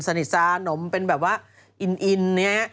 สนิทซ่านมเป็นแบบว่าอิ่นอย่างเงี้ย